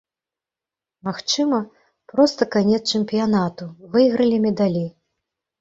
Магчыма, проста канец чэмпіянату, выйгралі медалі.